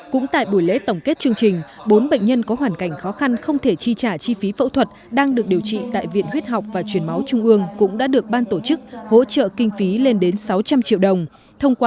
cũng tại buổi lễ tổng kết chương trình bốn bệnh nhân có hoàn cảnh khó khăn không thể chi trả chi phí phẫu thuật đang được điều trị tại viện huyết học và truyền máu trung ương cũng đã được ban tổ chức hỗ trợ kinh phí lên đến sáu trăm linh triệu đồng